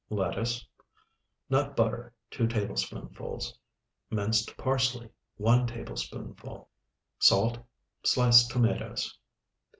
Lettuce. Nut butter, 2 tablespoonfuls. Minced parsley, 1 tablespoonful. Salt. Sliced tomatoes.